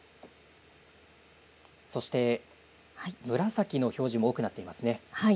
そして、紫の表示も多くなっていますね。